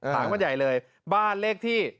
ถามกันใหญ่เลยบ้านเลขที่